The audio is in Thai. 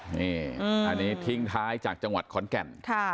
นี่อันนี้ทิ้งท้ายจากจังหวัดขอนแก่น